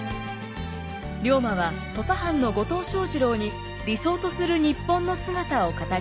龍馬は土佐藩の後藤象二郎に理想とする日本の姿を語りました。